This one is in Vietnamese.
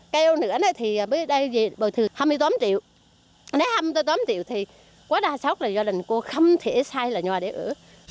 kêu nữa thì bây giờ bầu thư hai mươi tám triệu nếu hai mươi tám triệu thì quá đa sốc là gia đình cô không thể xây là nhà để ở